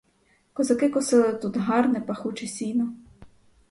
Козаки косили тут гарне пахуче сіно.